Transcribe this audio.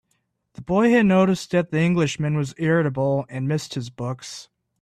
The boy had noticed that the Englishman was irritable, and missed his books.